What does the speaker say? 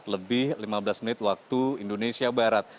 lima belas lebih lima belas menit waktu indonesia barat